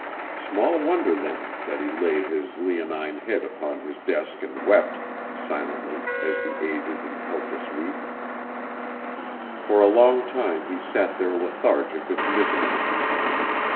Small wonder, then, that he laid his leonine head upon his desk and wept, silently, as the aged and helpless weep. For a long time he sat there lethargic with misery.